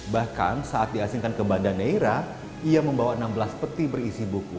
bahkan saat diasingkan ke banda neira ia membawa enam belas peti berisi buku